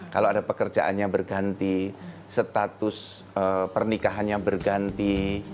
kalau ada pekerjaannya berganti status pernikahannya berganti